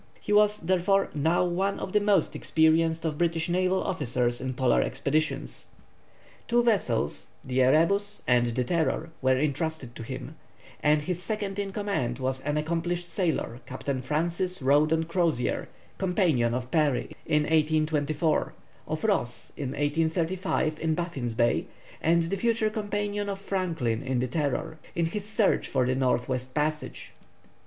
He was, therefore, now one of the most experienced of British naval officers in Polar expeditions. [Illustration: Captain John Ross.] Two vessels, the Erebus and the Terror, were entrusted to him, and his second in command was an accomplished sailor, Captain Francis Rowdon Crozier, companion of Parry in 1824; of Ross in 1835 in Baffin's Bay; and the future companion of Franklin in the Terror, in his search for the north west passage.